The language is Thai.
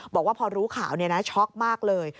บอกว่าพอรู้ข่าวช็อกมากเลย